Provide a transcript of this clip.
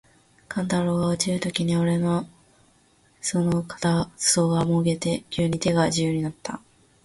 勘太郎が落ちるときに、おれの袷の片袖がもげて、急に手が自由になつた。